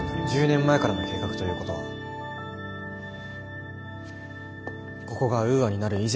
１０年前からの計画ということはここがウーアになる以前の計画です。